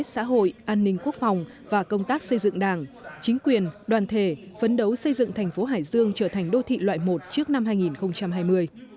xã hội an ninh quốc phòng và công tác xây dựng đảng chính quyền đoàn thể phấn đấu xây dựng thành phố hải dương trở thành đô thị loại một trước năm hai nghìn hai mươi